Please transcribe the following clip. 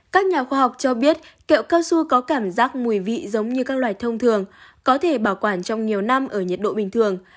các nhà khoa học cho biết kẹo cao su có cảm giác mùi vị giống như các loài thông thường có thể bảo quản trong nhiều năm ở nhiệt độ bình thường